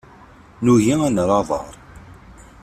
Nugi ad nerr aḍar.